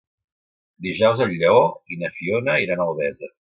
Dijous en Lleó i na Fiona iran a Albesa.